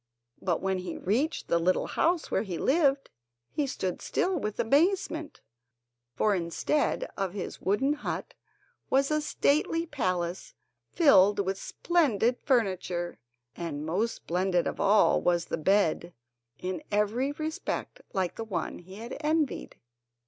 But when he reached the little house where he lived, he stood still with amazement, for instead of his wooden hut was a stately palace filled with splendid furniture, and most splendid of all was the bed, in every respect like the one he had envied.